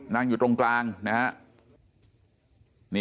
นั่งอยู่ตรงกลางนะฮะ